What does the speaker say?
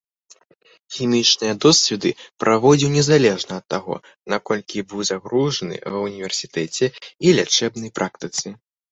Хімічныя досведы праводзіў незалежна ад таго, наколькі быў загружаны ва ўніверсітэце і лячэбнай практыцы.